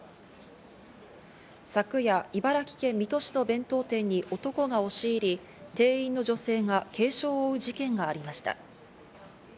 昨夜、茨城県水戸市の弁当店に男が押し入り、店員の女性が軽傷を負う事件がありました。